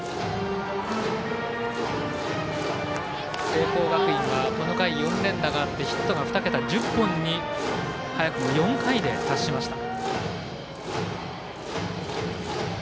聖光学院は、この回４連打があってヒットが２桁１０本に早くも４回で達しました。